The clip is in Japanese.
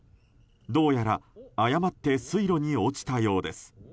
どうやら誤って水路に落ちたようです。